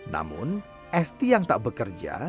namun esti yang tak bekerja